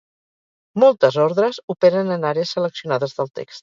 Moltes ordres operen en àrees seleccionades del text.